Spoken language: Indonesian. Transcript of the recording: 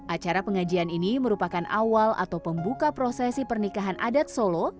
acara pengajian ini merupakan awal atau pembuka prosesi pernikahan adat solo